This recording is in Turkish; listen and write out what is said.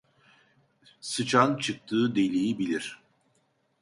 Sıçan çıktığı deliği bilir.